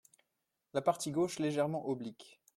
La partie gauche légèrement oblique.